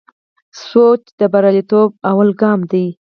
سوچ د بریالیتوب لومړی ګام دی.